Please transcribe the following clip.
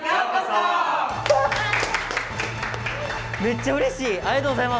めっちゃうれしい！